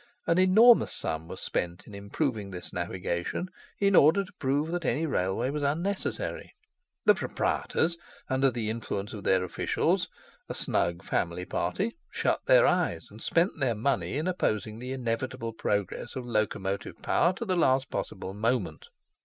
An enormous sum was spent in improving the navigation, in order to prove that any railway was unnecessary. The proprietors, under the influence of their officials, a snug family party, shut their eyes and spent their money in opposing the inevitable progress of locomotive power to the last possible moment.